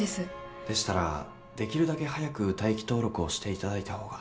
でしたらできるだけ早く待機登録をしていただいた方が。